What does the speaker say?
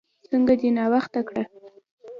څنګه دې ناوخته کړه؟